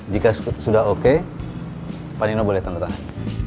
jika sudah oke pak nino boleh tanda tangan